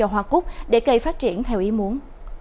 hãy phát triển theo ý muốn